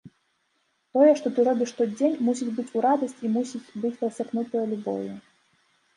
Тое, што ты робіш штодзень, мусіць быць у радасць і мусіць быць прасякнутае любоўю.